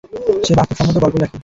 সে বাস্তবসম্মত গল্প লেখে।